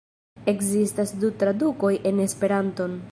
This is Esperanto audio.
Ekzistas du tradukoj en Esperanton.